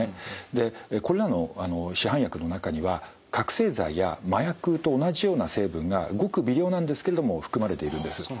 でこれらの市販薬の中には覚醒剤や麻薬と同じような成分がごく微量なんですけれども含まれているんです。